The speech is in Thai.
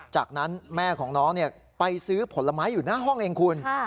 จากนั้นแม่ของน้องไปซื้อผลไม้อยู่หน้าห้องเองคุณ